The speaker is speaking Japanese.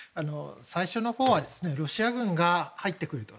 最初のほうはロシア軍が入ってくると。